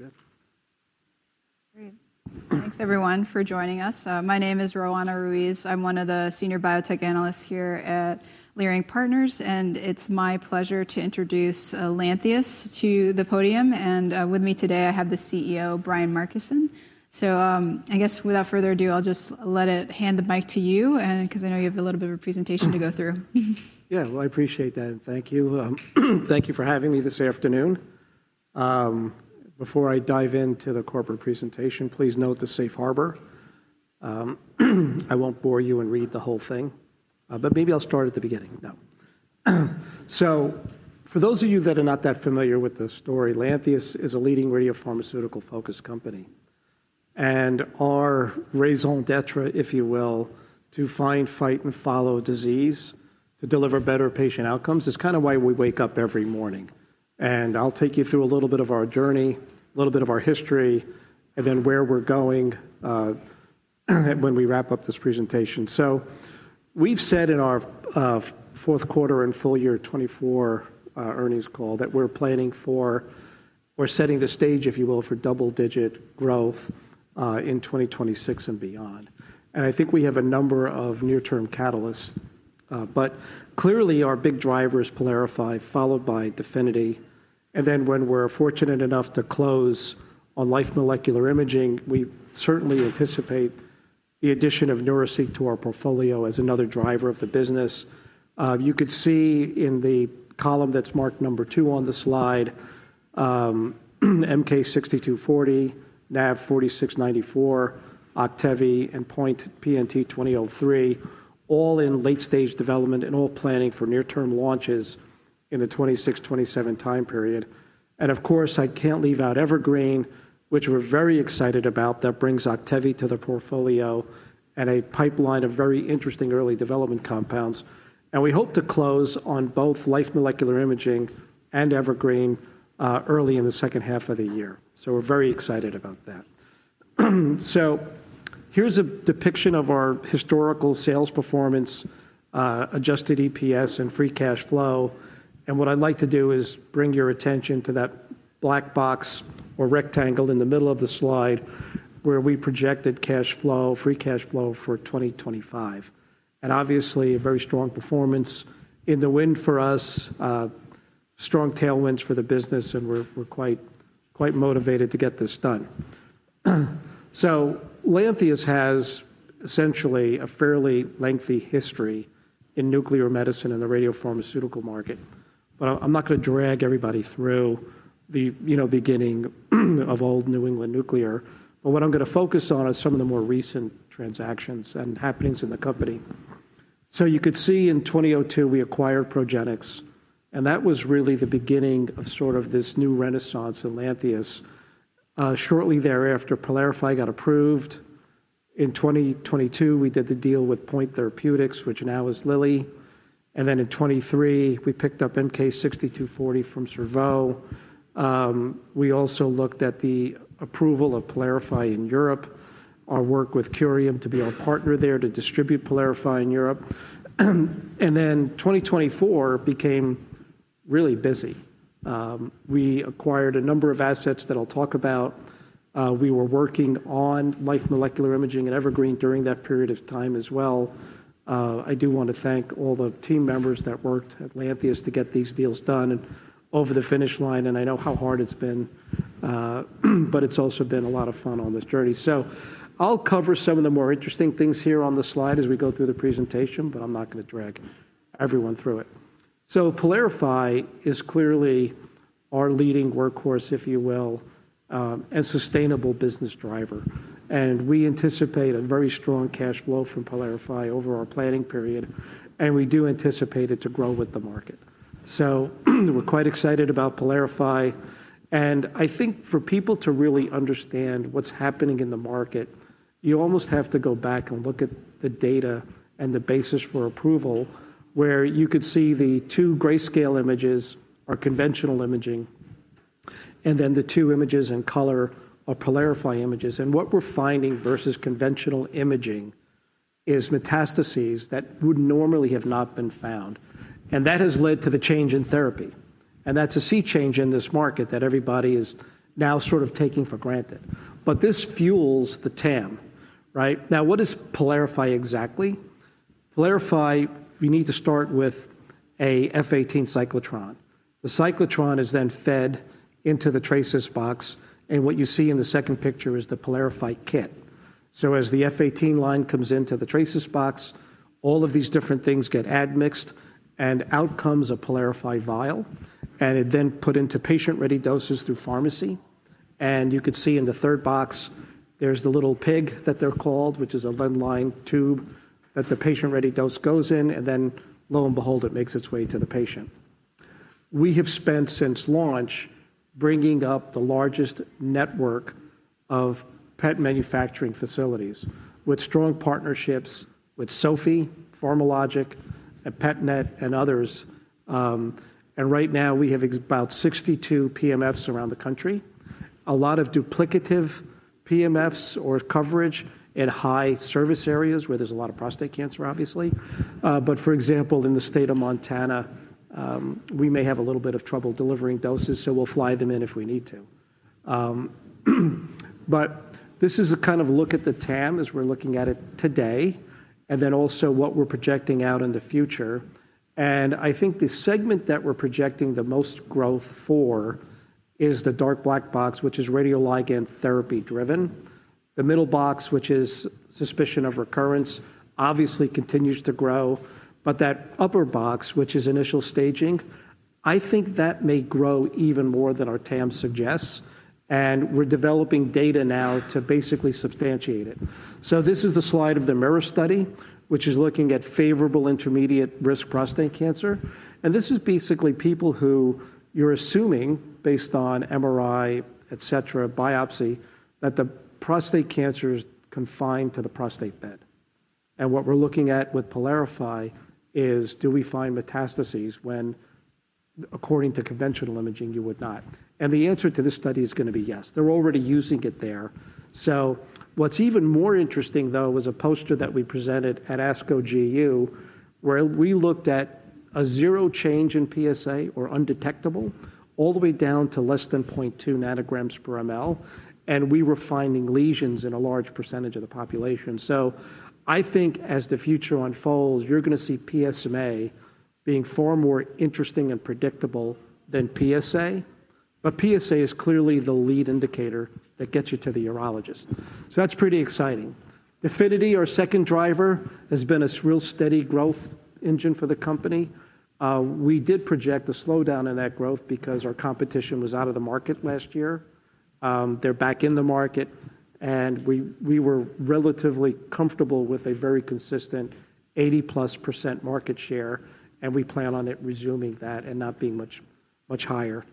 We're good. Great. Thanks, everyone, for joining us. My name is Roanna Ruiz. I'm one of the senior biotech analysts here at Leerink Partners, and it's my pleasure to introduce Lantheus to the podium. With me today, I have the CEO, Brian Markison. I guess, without further ado, I'll just let it hand the mic to you, because I know you have a little bit of a presentation to go through. Yeah, I appreciate that, and thank you. Thank you for having me this afternoon. Before I dive into the corporate presentation, please note the safe harbor. I won't bore you and read the whole thing, but maybe I'll start at the beginning. For those of you that are not that familiar with the story, Lantheus is a leading radiopharmaceutical-focused company. Our raison d'être, if you will, to find, fight, and follow disease, to deliver better patient outcomes, is kind of why we wake up every morning. I'll take you through a little bit of our journey, a little bit of our history, and then where we're going when we wrap up this presentation. We've said in our fourth quarter and full year 2024 earnings call that we're planning for or setting the stage, if you will, for double-digit growth in 2026 and beyond. I think we have a number of near-term catalysts, but clearly our big driver is Pylarify, followed by Definity. When we're fortunate enough to close on Life Molecular Imaging, we certainly anticipate the addition of Neuraceq to our portfolio as another driver of the business. You could see in the column that's marked number two on the slide, MK6240, NAV4694, Octevi, and Point PNT2003, all in late-stage development and all planning for near-term launches in the 2026-2027 time period. Of course, I can't leave out Evergreen, which we're very excited about, that brings Octevi to the portfolio and a pipeline of very interesting early development compounds. We hope to close on both Life Molecular Imaging and Evergreen early in the second half of the year. We're very excited about that. Here's a depiction of our historical sales performance, adjusted EPS, and free cash flow. What I'd like to do is bring your attention to that black box or rectangle in the middle of the slide where we projected free cash flow for 2025. Obviously, a very strong performance in the wind for us, strong tailwinds for the business, and we're quite motivated to get this done. Lantheus has essentially a fairly lengthy history in nuclear medicine and the radiopharmaceutical market. I'm not going to drag everybody through the beginning of old New England Nuclear. What I'm going to focus on are some of the more recent transactions and happenings in the company. You could see in 2002, we acquired Progenics. That was really the beginning of sort of this new renaissance in Lantheus. Shortly thereafter, Pylarify got approved. In 2022, we did the deal with Point Biopharma, which now is Lilly. In 2023, we picked up MK6240 from Cerveau. We also looked at the approval of Pylarify in Europe, our work with Curium to be our partner there to distribute Pylarify in Europe. In 2024, it became really busy. We acquired a number of assets that I'll talk about. We were working on Life Molecular Imaging at Evergreen during that period of time as well. I do want to thank all the team members that worked at Lantheus to get these deals done and over the finish line. I know how hard it's been, but it's also been a lot of fun on this journey. I'll cover some of the more interesting things here on the slide as we go through the presentation, but I'm not going to drag everyone through it. Pylarify is clearly our leading workhorse, if you will, and sustainable business driver. We anticipate a very strong cash flow from Pylarify over our planning period. We do anticipate it to grow with the market. We're quite excited about Pylarify. I think for people to really understand what's happening in the market, you almost have to go back and look at the data and the basis for approval, where you could see the two grayscale images are conventional imaging, and then the two images in color are Pylarify images. What we're finding versus conventional imaging is metastases that would normally have not been found. That has led to the change in therapy. That is a sea change in this market that everybody is now sort of taking for granted. This fuels the TAM. Now, what is Pylarify exactly? Pylarify, we need to start with an F18 cyclotron. The cyclotron is then fed into the Trasis box. What you see in the second picture is the Pylarify kit. As the F18 line comes into the Trasis box, all of these different things get admixed and out comes a Pylarify vial. It is then put into patient-ready doses through pharmacy. You can see in the third box, there is the little pig that they are called, which is a lead-lined tube that the patient-ready dose goes in. Lo and behold, it makes its way to the patient. We have spent since launch bringing up the largest network of PET manufacturing facilities with strong partnerships with SOFIE, PharmaLogic, and PETNET and others. Right now, we have about 62 PMFs around the country, a lot of duplicative PMFs or coverage in high service areas where there's a lot of prostate cancer, obviously. For example, in the state of Montana, we may have a little bit of trouble delivering doses, so we'll fly them in if we need to. This is a kind of look at the TAM as we're looking at it today, and then also what we're projecting out in the future. I think the segment that we're projecting the most growth for is the dark black box, which is radioligand therapy driven. The middle box, which is suspicion of recurrence, obviously continues to grow. That upper box, which is initial staging, I think that may grow even more than our TAM suggests. We're developing data now to basically substantiate it. This is the slide of the MIRA study, which is looking at favorable intermediate risk prostate cancer. This is basically people who you're assuming, based on MRI, et cetera, biopsy, that the prostate cancer is confined to the prostate bed. What we're looking at with Pylarify is, do we find metastases when, according to conventional imaging, you would not? The answer to this study is going to be yes. They're already using it there. What's even more interesting, though, was a poster that we presented at ASCO GU, where we looked at a zero change in PSA, or undetectable, all the way down to less than 0.2 nanograms per mL. We were finding lesions in a large percentage of the population. I think as the future unfolds, you're going to see PSMA being far more interesting and predictable than PSA. PSA is clearly the lead indicator that gets you to the urologist. That is pretty exciting. Definity, our second driver, has been a real steady growth engine for the company. We did project a slowdown in that growth because our competition was out of the market last year. They are back in the market. We were relatively comfortable with a very consistent 80+% market share. We plan on resuming that and not being much higher,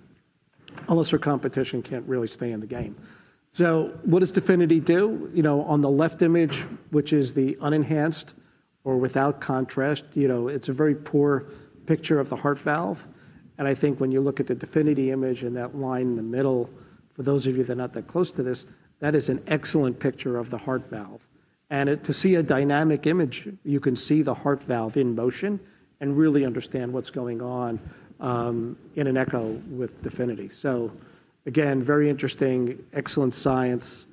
unless our competition cannot really stay in the game. What does Definity do? On the left image, which is the unenhanced or without contrast, it is a very poor picture of the heart valve. I think when you look at the Definity image and that line in the middle, for those of you that are not that close to this, that is an excellent picture of the heart valve. To see a dynamic image, you can see the heart valve in motion and really understand what's going on in an echo with Definity. Again, very interesting, excellent science.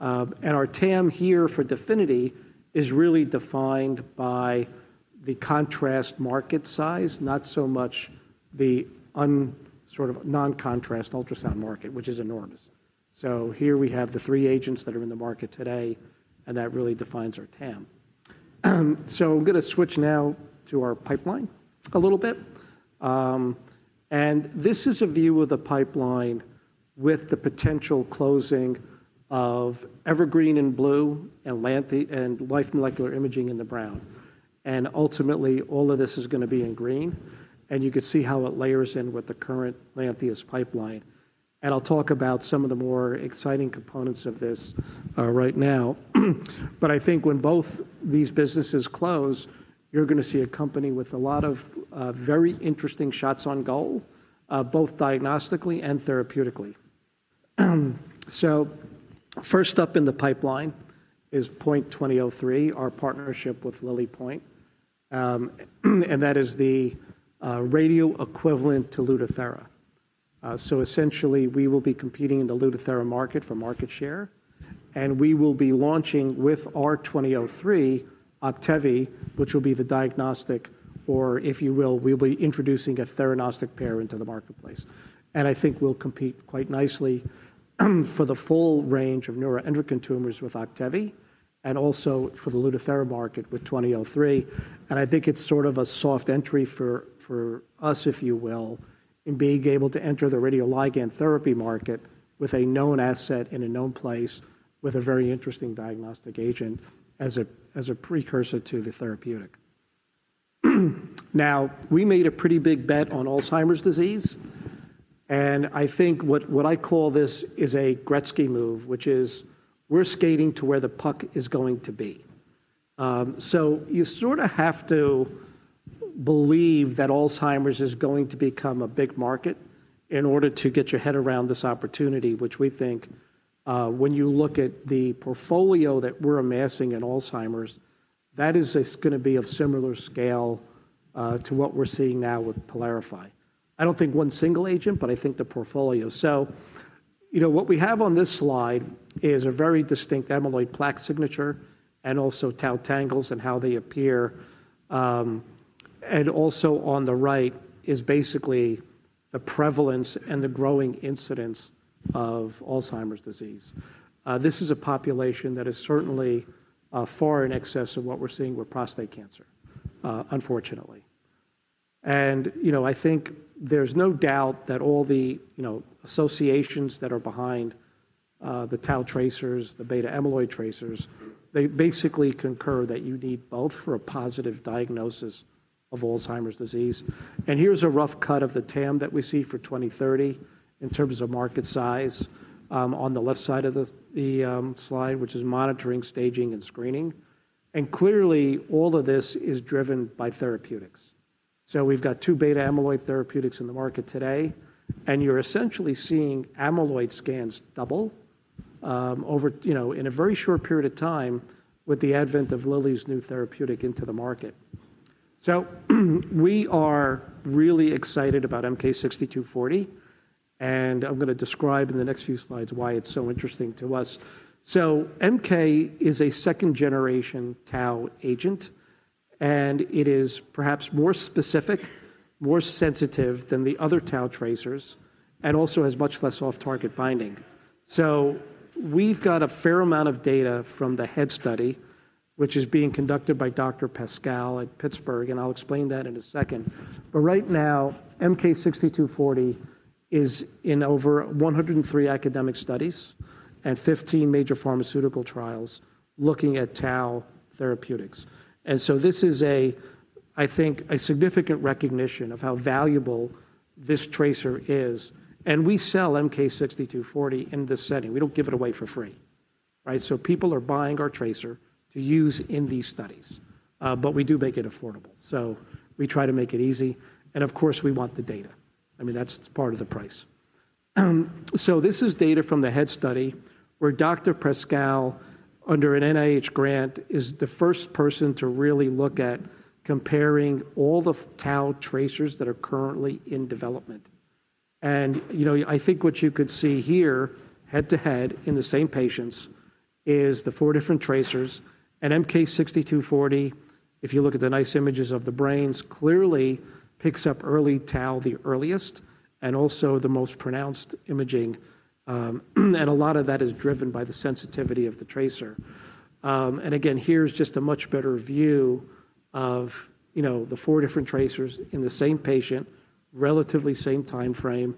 Our TAM here for Definity is really defined by the contrast market size, not so much the sort of non-contrast ultrasound market, which is enormous. Here we have the three agents that are in the market today, and that really defines our TAM. I'm going to switch now to our pipeline a little bit. This is a view of the pipeline with the potential closing of Evergreen in blue and Life Molecular Imaging in the brown. Ultimately, all of this is going to be in green. You could see how it layers in with the current Lantheus pipeline. I'll talk about some of the more exciting components of this right now. I think when both these businesses close, you're going to see a company with a lot of very interesting shots on goal, both diagnostically and therapeutically. First up in the pipeline is PNT2003, our partnership with Lilly Point. That is the radio equivalent to Lutathera. Essentially, we will be competing in the Lutathera market for market share. We will be launching with our PNT2003, Octevi, which will be the diagnostic, or if you will, we'll be introducing a theranostic pair into the marketplace. I think we'll compete quite nicely for the full range of neuroendocrine tumors with Octevi and also for the Lutathera market with PNT2003. I think it's sort of a soft entry for us, if you will, in being able to enter the radioligand therapy market with a known asset in a known place with a very interesting diagnostic agent as a precursor to the therapeutic. We made a pretty big bet on Alzheimer's disease. I think what I call this is a Gretzky move, which is we're skating to where the puck is going to be. You sort of have to believe that Alzheimer's is going to become a big market in order to get your head around this opportunity, which we think when you look at the portfolio that we're amassing in Alzheimer's, that is going to be of similar scale to what we're seeing now with Pylarify. I don't think one single agent, but I think the portfolio. What we have on this slide is a very distinct amyloid plaque signature and also tau tangles and how they appear. Also on the right is basically the prevalence and the growing incidence of Alzheimer's disease. This is a population that is certainly far in excess of what we're seeing with prostate cancer, unfortunately. I think there's no doubt that all the associations that are behind the tau tracers, the beta amyloid tracers, they basically concur that you need both for a positive diagnosis of Alzheimer's disease. Here's a rough cut of the TAM that we see for 2030 in terms of market size on the left side of the slide, which is monitoring, staging, and screening. Clearly, all of this is driven by therapeutics. We've got two beta amyloid therapeutics in the market today. You're essentially seeing amyloid scans double in a very short period of time with the advent of Lilly's new therapeutic into the market. We are really excited about MK6240. I'm going to describe in the next few slides why it's so interesting to us. MK is a second-generation tau agent. It is perhaps more specific, more sensitive than the other tau tracers, and also has much less off-target binding. We've got a fair amount of data from the HEAD study, which is being conducted by Dr. Pascoal at Pittsburgh. I'll explain that in a second. Right now, MK6240 is in over 103 academic studies and 15 major pharmaceutical trials looking at tau therapeutics. This is, I think, a significant recognition of how valuable this tracer is. We sell MK6240 in this setting. We don't give it away for free. People are buying our tracer to use in these studies. We do make it affordable. We try to make it easy. Of course, we want the data. I mean, that's part of the price. This is data from the HEAD study where Dr. Pascoal, under an NIH grant, is the first person to really look at comparing all the tau tracers that are currently in development. I think what you could see here head to head in the same patients is the four different tracers. MK6240, if you look at the nice images of the brains, clearly picks up early tau the earliest and also the most pronounced imaging. A lot of that is driven by the sensitivity of the tracer. Again, here's just a much better view of the four different tracers in the same patient, relatively same time frame.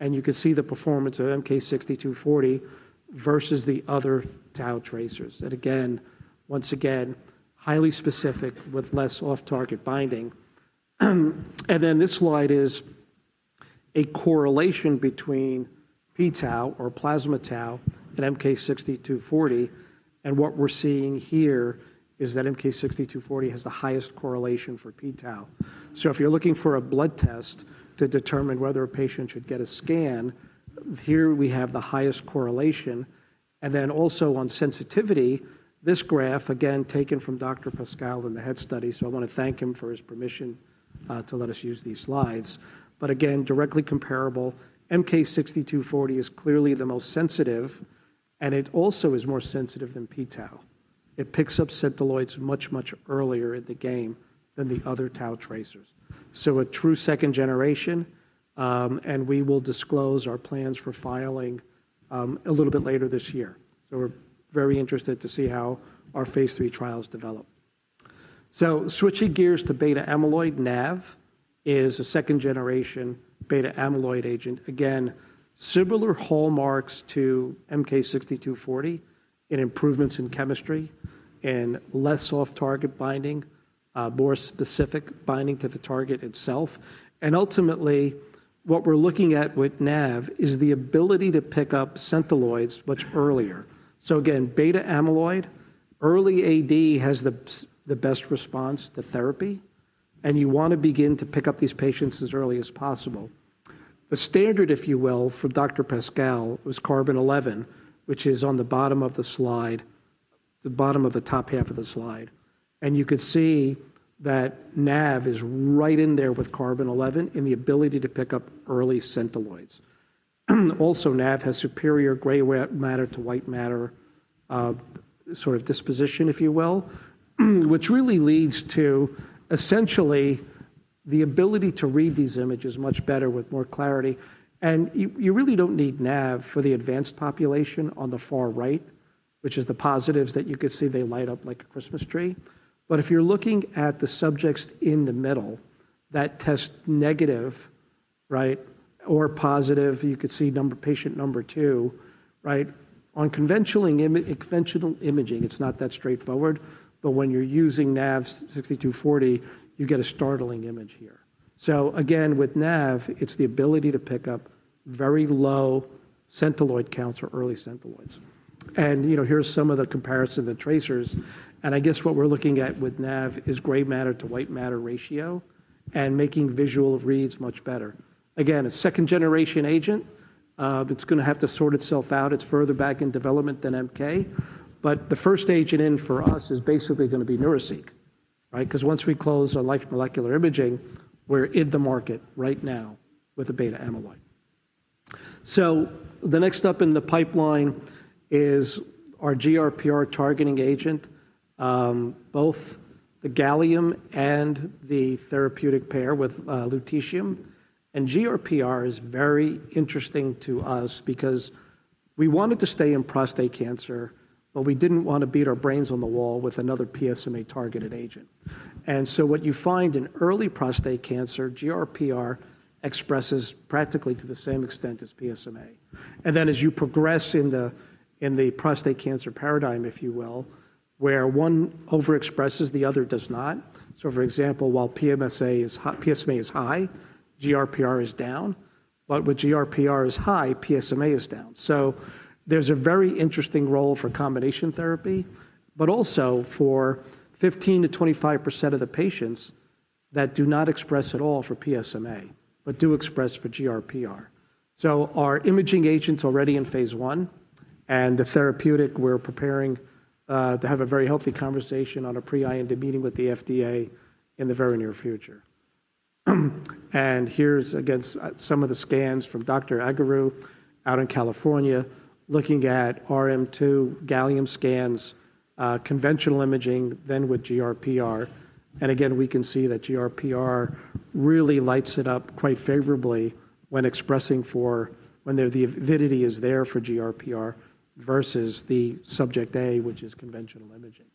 You can see the performance of MK6240 versus the other tau tracers. Once again, highly specific with less off-target binding. This slide is a correlation between p-tau or plasma tau and MK6240. What we're seeing here is that MK6240 has the highest correlation for p-tau. If you're looking for a blood test to determine whether a patient should get a scan, here we have the highest correlation. Also on sensitivity, this graph, again, taken from Dr. Pascoal in the HEAD study. I want to thank him for his permission to let us use these slides. Directly comparable, MK6240 is clearly the most sensitive. It also is more sensitive than p-tau. It picks up centiloids much, much earlier in the game than the other tau tracers. A true second generation. We will disclose our plans for filing a little bit later this year. We are very interested to see how our phase three trials develop. Switching gears to beta amyloid, NAV is a second-generation beta amyloid agent. Again, similar hallmarks to MK6240 in improvements in chemistry, in less off-target binding, more specific binding to the target itself. Ultimately, what we are looking at with NAV is the ability to pick up centiloids much earlier. Again, beta amyloid, early AD has the best response to therapy. You want to begin to pick up these patients as early as possible. The standard, if you will, for Dr. Pascoal was carbon 11, which is on the bottom of the slide, the bottom of the top half of the slide. You could see that NAV is right in there with carbon 11 in the ability to pick up early centiloids. Also, NAV has superior gray matter to white matter sort of disposition, if you will, which really leads to essentially the ability to read these images much better with more clarity. You really do not need NAV for the advanced population on the far right, which is the positives that you could see they light up like a Christmas tree. If you are looking at the subjects in the middle that test negative or positive, you could see patient number two. On conventional imaging, it is not that straightforward. When you are using NAV4694, you get a startling image here. With NAV, it is the ability to pick up very low centiloid counts or early centiloids. Here is some of the comparison of the tracers. I guess what we're looking at with NAV is gray matter to white matter ratio and making visual reads much better. Again, a second-generation agent. It's going to have to sort itself out. It's further back in development than MK. The first agent in for us is basically going to be Neuraceq. Because once we close on Life Molecular Imaging, we're in the market right now with a beta amyloid. The next up in the pipeline is our GRPR targeting agent, both the gallium and the therapeutic pair with lutetium. GRPR is very interesting to us because we wanted to stay in prostate cancer, but we didn't want to beat our brains on the wall with another PSMA-targeted agent. What you find in early prostate cancer, GRPR expresses practically to the same extent as PSMA. As you progress in the prostate cancer paradigm, if you will, where one overexpresses, the other does not. For example, while PSMA is high, GRPR is down. When GRPR is high, PSMA is down. There is a very interesting role for combination therapy, but also for 15%-25% of the patients that do not express at all for PSMA, but do express for GRPR. Our imaging agent is already in phase one. The therapeutic, we're preparing to have a very healthy conversation on a pre-IND meeting with the FDA in the very near future. Here is again some of the scans from Dr. Iagaru out in California looking at RM2 gallium scans, conventional imaging, then with GRPR. Again, we can see that GRPR really lights it up quite favorably when expressing for when the avidity is there for GRPR versus the subject A, which is conventional imaging.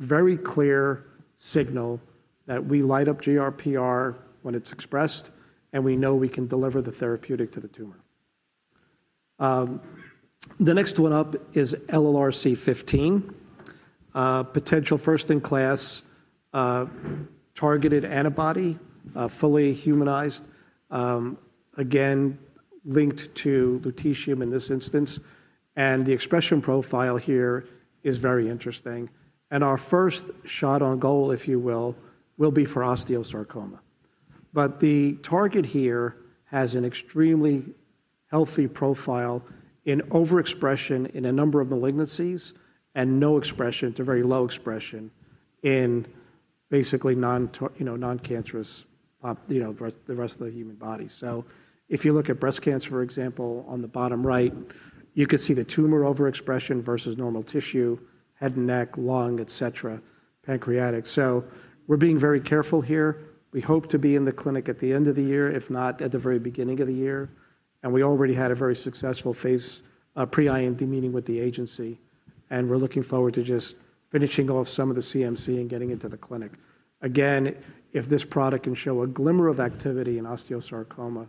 Very clear signal that we light up GRPR when it's expressed, and we know we can deliver the therapeutic to the tumor. The next one up is LLRC15, potential first-in-class targeted antibody, fully humanized, again, linked to lutetium in this instance. The expression profile here is very interesting. Our first shot on goal, if you will, will be for osteosarcoma. The target here has an extremely healthy profile in overexpression in a number of malignancies and no expression to very low expression in basically non-cancerous the rest of the human body. If you look at breast cancer, for example, on the bottom right, you could see the tumor overexpression versus normal tissue, head and neck, lung, et cetera, pancreatic. We are being very careful here. We hope to be in the clinic at the end of the year, if not at the very beginning of the year. We already had a very successful pre-IND meeting with the agency. We are looking forward to just finishing off some of the CMC and getting into the clinic. Again, if this product can show a glimmer of activity in osteosarcoma,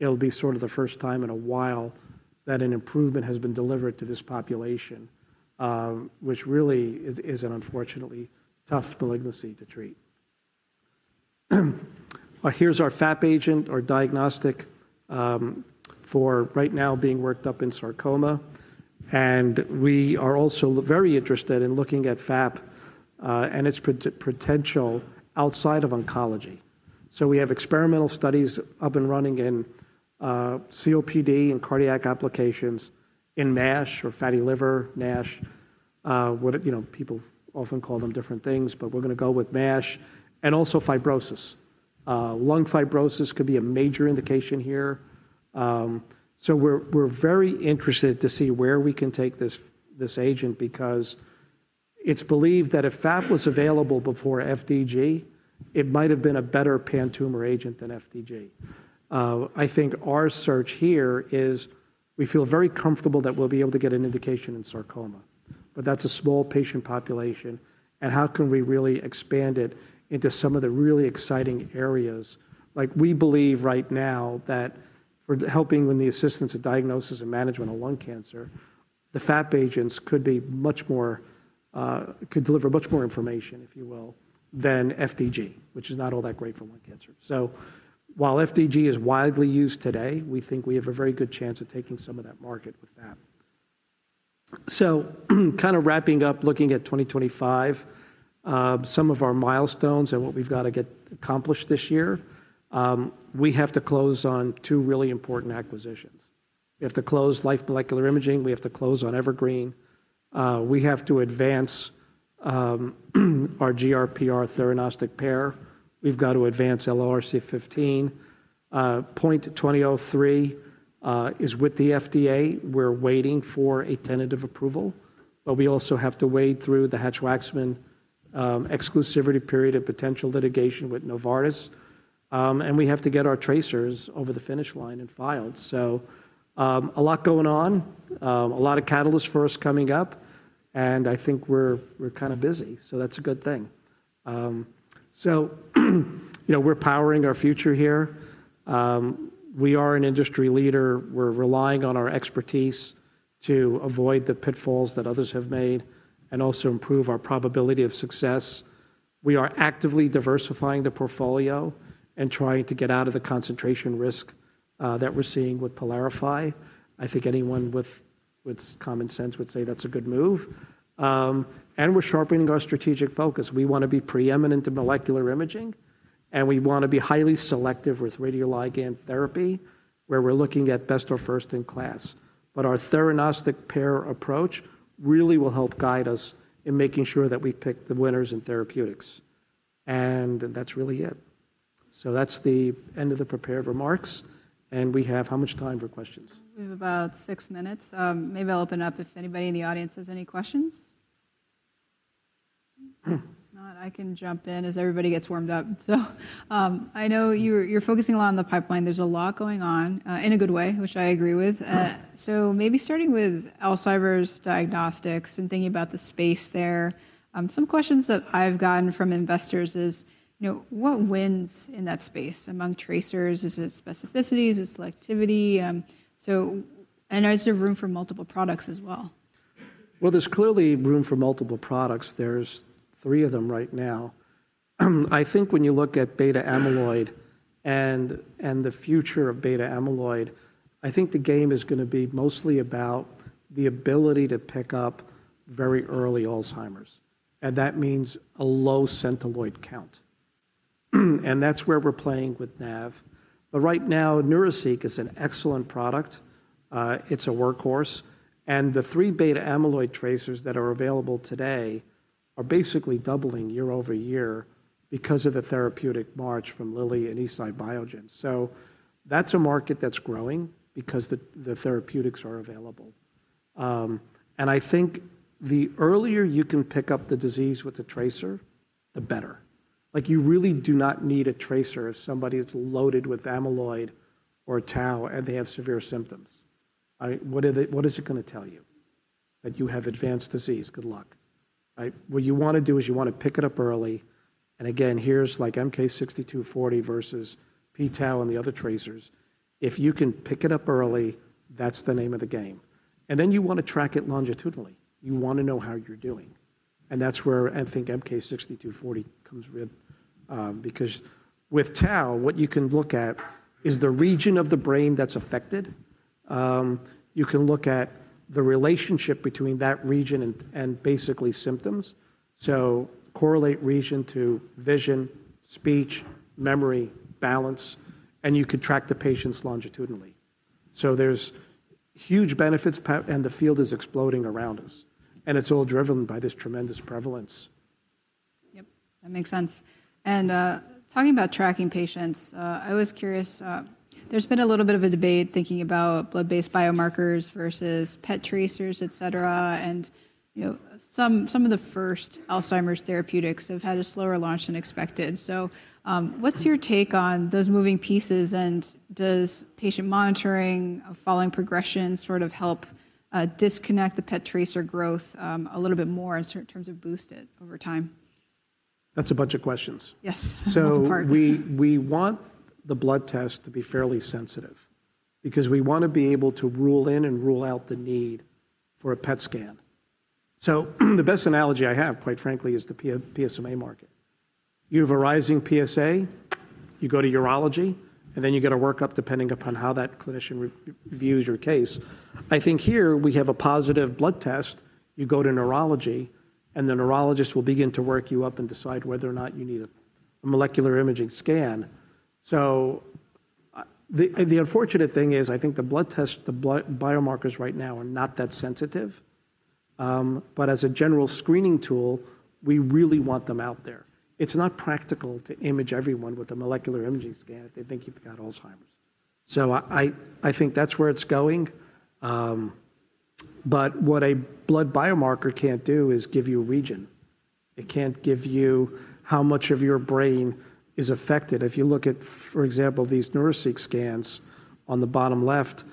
it will be sort of the first time in a while that an improvement has been delivered to this population, which really is an unfortunately tough malignancy to treat. Here is our FAP agent, our diagnostic for right now being worked up in sarcoma. We are also very interested in looking at FAP and its potential outside of oncology. We have experimental studies up and running in COPD and cardiac applications in NASH or fatty liver NASH. People often call them different things, but we're going to go with NASH and also fibrosis. Lung fibrosis could be a major indication here. We are very interested to see where we can take this agent because it's believed that if FAP was available before FDG, it might have been a better pan-tumor agent than FDG. I think our search here is we feel very comfortable that we'll be able to get an indication in sarcoma. That is a small patient population. How can we really expand it into some of the really exciting areas? We believe right now that for helping with the assistance of diagnosis and management of lung cancer, the FAP agents could deliver much more information, if you will, than FDG, which is not all that great for lung cancer. While FDG is widely used today, we think we have a very good chance of taking some of that market with FAP. Kind of wrapping up, looking at 2025, some of our milestones and what we've got to get accomplished this year, we have to close on two really important acquisitions. We have to close Life Molecular Imaging. We have to close on Evergreen. We have to advance our GRPR theranostic pair. We've got to advance LLRC15. PNT2003 is with the FDA. We're waiting for a tentative approval. We also have to wade through the Hatch-Waxman exclusivity period of potential litigation with Novartis. We have to get our tracers over the finish line and filed. A lot is going on, a lot of catalysts first coming up. I think we're kind of busy. That's a good thing. We're powering our future here. We are an industry leader. We're relying on our expertise to avoid the pitfalls that others have made and also improve our probability of success. We are actively diversifying the portfolio and trying to get out of the concentration risk that we're seeing with Pylarify. I think anyone with common sense would say that's a good move. We're sharpening our strategic focus. We want to be preeminent in molecular imaging. We want to be highly selective with radioligand therapy where we're looking at best or first in class. Our theranostic pair approach really will help guide us in making sure that we pick the winners in therapeutics. That's really it. That's the end of the prepared remarks. We have how much time for questions? We have about six minutes. Maybe I'll open it up if anybody in the audience has any questions. If not, I can jump in as everybody gets warmed up. I know you're focusing a lot on the pipeline. There's a lot going on in a good way, which I agree with. Maybe starting with Alzheimer's diagnostics and thinking about the space there, some questions that I've gotten from investors is, what wins in that space among tracers? Is it specificity? Is it selectivity? There's room for multiple products as well. There's clearly room for multiple products. There's three of them right now. I think when you look at beta amyloid and the future of beta amyloid, I think the game is going to be mostly about the ability to pick up very early Alzheimer's. That means a low centiloid count. That's where we're playing with NAV. Right now, Neuraceq is an excellent product. It's a workhorse. The three beta amyloid tracers that are available today are basically doubling year over year because of the therapeutic march from Lilly and Eisai Biogen. That's a market that's growing because the therapeutics are available. I think the earlier you can pick up the disease with the tracer, the better. You really do not need a tracer if somebody is loaded with amyloid or tau and they have severe symptoms. What is it going to tell you? That you have advanced disease. Good luck. What you want to do is you want to pick it up early. Again, here's like MK6240 versus p-tau and the other tracers. If you can pick it up early, that's the name of the game. Then you want to track it longitudinally. You want to know how you're doing. That's where I think MK6240 comes in. Because with tau, what you can look at is the region of the brain that's affected. You can look at the relationship between that region and basically symptoms. So correlate region to vision, speech, memory, balance. You can track the patients longitudinally. There are huge benefits, and the field is exploding around us. It's all driven by this tremendous prevalence. Yep. That makes sense. Talking about tracking patients, I was curious. There's been a little bit of a debate thinking about blood-based biomarkers versus PET tracers, et cetera. Some of the first Alzheimer's therapeutics have had a slower launch than expected. What's your take on those moving pieces? Does patient monitoring, following progression, sort of help disconnect the PET tracer growth a little bit more in terms of boost it over time? That's a bunch of questions. Yes. We want the blood test to be fairly sensitive because we want to be able to rule in and rule out the need for a PET scan. The best analogy I have, quite frankly, is the PSMA market. You have a rising PSA, you go to urology, and then you get a workup depending upon how that clinician views your case. I think here we have a positive blood test. You go to neurology, and the neurologist will begin to work you up and decide whether or not you need a molecular imaging scan. The unfortunate thing is I think the blood test, the biomarkers right now are not that sensitive. As a general screening tool, we really want them out there. It is not practical to image everyone with a molecular imaging scan if they think you have got Alzheimer's. I think that is where it is going. What a blood biomarker cannot do is give you a region. It cannot give you how much of your brain is affected. If you look at, for example, these Neuraceq scans on the bottom left,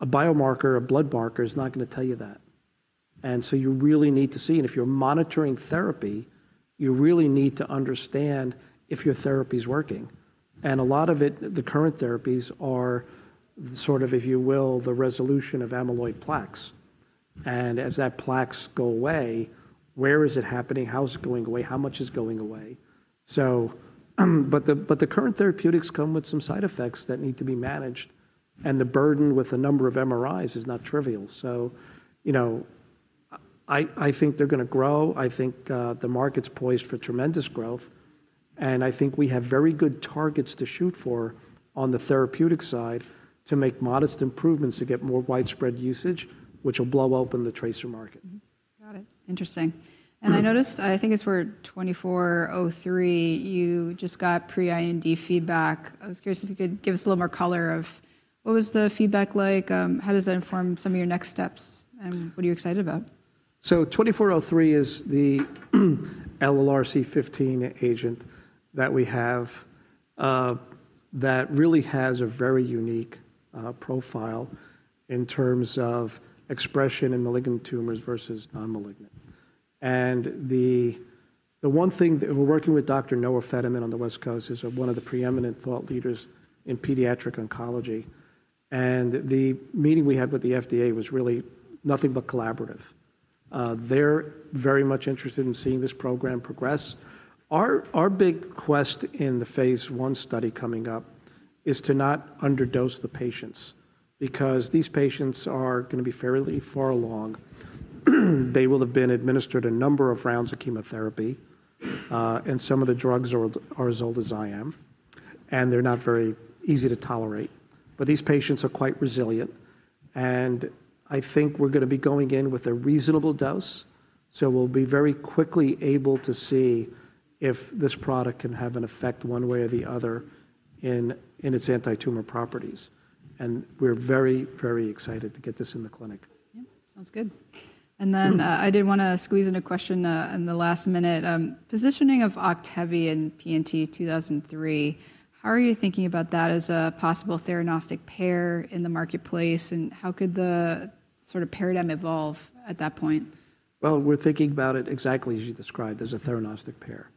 a biomarker, a blood marker is not going to tell you that. You really need to see. If you are monitoring therapy, you really need to understand if your therapy is working. A lot of it, the current therapies are sort of, if you will, the resolution of amyloid plaques. As that plaque goes away, where is it happening? How is it going away? How much is going away? The current therapeutics come with some side effects that need to be managed. The burden with a number of MRIs is not trivial. I think they're going to grow. I think the market's poised for tremendous growth. I think we have very good targets to shoot for on the therapeutic side to make modest improvements to get more widespread usage, which will blow open the tracer market. Got it. Interesting. I noticed, I think it's where 2403, you just got pre-IND feedback. I was curious if you could give us a little more color of what was the feedback like? How does that inform some of your next steps? What are you excited about? 2403 is the LLRC15 agent that we have that really has a very unique profile in terms of expression in malignant tumors versus non-malignant. The one thing that we're working with Dr. Noah Federman on the West Coast is one of the preeminent thought leaders in pediatric oncology. The meeting we had with the FDA was really nothing but collaborative. They're very much interested in seeing this program progress. Our big quest in the phase one study coming up is to not underdose the patients because these patients are going to be fairly far along. They will have been administered a number of rounds of chemotherapy. Some of the drugs are as old as I am. They're not very easy to tolerate. These patients are quite resilient. I think we're going to be going in with a reasonable dose. We'll be very quickly able to see if this product can have an effect one way or the other in its anti-tumor properties. We're very, very excited to get this in the clinic. Sounds good. I did want to squeeze in a question in the last minute. Positioning of Octevi in PNT2003, how are you thinking about that as a possible theranostic pair in the marketplace? How could the sort of paradigm evolve at that point? We're thinking about it exactly as you described as a theranostic pair.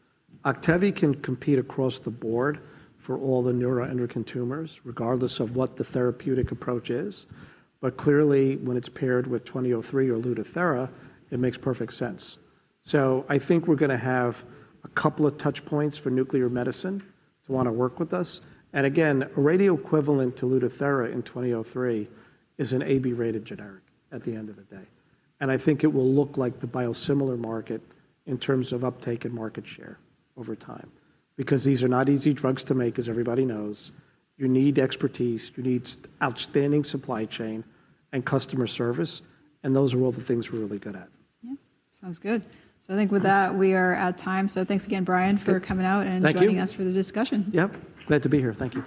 Octevi can compete across the board for all the neuroendocrine tumors, regardless of what the therapeutic approach is. Clearly, when it's paired with PNT2003 or Lutathera, it makes perfect sense. I think we're going to have a couple of touch points for nuclear medicine to want to work with us. Again, radio equivalent to Lutathera in 2003 is an AB-rated generic at the end of the day. I think it will look like the biosimilar market in terms of uptake and market share over time because these are not easy drugs to make, as everybody knows. You need expertise. You need outstanding supply chain and customer service. Those are all the things we're really good at. Sounds good. I think with that, we are at time. Thanks again, Brian, for coming out and joining us for the discussion. Yep. Glad to be here. Thank you.